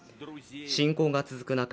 侵攻が続く中